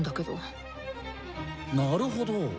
なるほど。